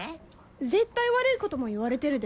絶対悪いことも言われてるで。